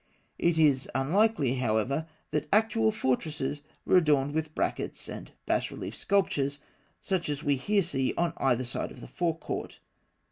It is unlikely, however, that actual fortresses were adorned with brackets and bas relief sculptures, such as we here see on either side of the fore court.